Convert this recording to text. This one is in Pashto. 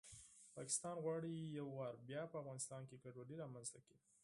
پاکستان غواړي یو ځل بیا په افغانستان کې ګډوډي رامنځته کړي